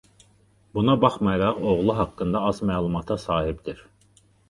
Buna baxmayaraq oğlu haqqında az məlumata sahibdir.